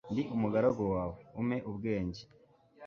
ndi umugaragu wawe, umpe ubwenge